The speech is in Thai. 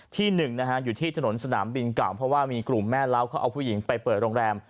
ที่หนึ่งนะฮะอยู่ที่ถนนสนามบินเก่าเพราะว่ามีกลุ่มแม่เล้าเขาเอาผู้หญิงไปเปิดโรงแรม